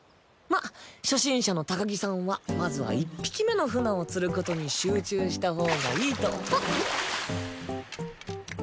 まっ初心者の高木さんはまずは１匹目のふなを釣ることに集中した方がいいと思う。